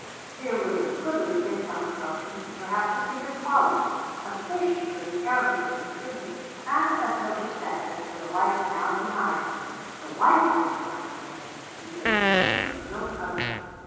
Here was a goodly income approaching, perhaps a seat in Parliament; a station for the airing of his opinions and a social status for the wife now denied to him. The wife was denied to him; he could conceive of no other.